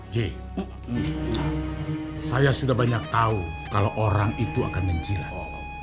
j saya sudah banyak tahu kalau orang itu akan menjilat